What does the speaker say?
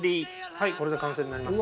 はいこれで完成になります。